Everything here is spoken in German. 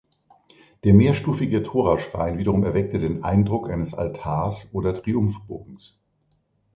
Der mehrstufige Toraschrein wiederum erweckte den Eindruck eines Altars oder Triumphbogens.